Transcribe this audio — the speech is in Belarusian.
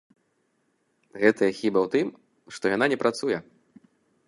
Гэтая хіба ў тым, што яна не працуе.